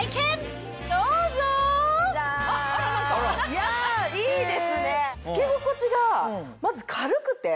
いやいいですね！